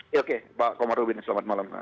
oke pak komarudin selamat malam